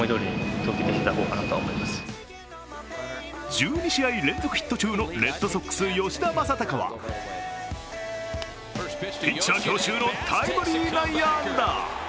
１２試合連続ヒット中のレッドソックス・吉田正尚はピッチャー強襲のタイムリー内野安打。